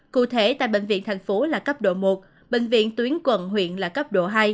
cụ thể tại bệnh viện thành phố là cấp độ một bệnh viện tuyến quận huyện là cấp độ hai